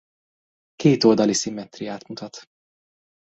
Kétoldali szimmetriát mutat.